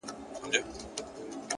د ژوند څلورو دقيقو ته چي سجده وکړه!!